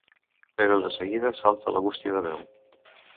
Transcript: Però de seguida salta la bústia de veu.